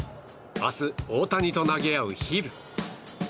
明日、大谷と投げ合うヒル。